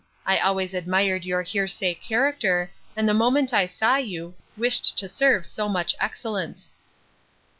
I always admired your hear say character; and the moment I saw you, wished to serve so much excellence.